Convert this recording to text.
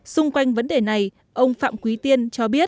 xung quanh vấn đề này ông phạm quý tiên cho biết